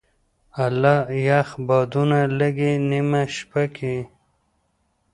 اله یخ بادونه لګې نېمه شپه کي